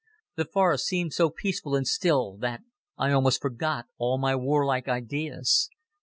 The forest seemed so peaceful and still that I almost forgot all my war like ideas.